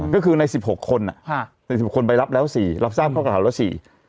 ก็คือใน๑๖คนใน๑๖คนไบรับแล้ว๔รับทราบเข้ากระถาวเหลือ๔